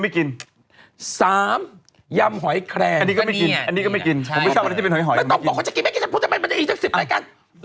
ไม่ต้องบอกว่าจะกินใช่ไหมภูเซุ่มไปมันก็อีก๑๐รายการ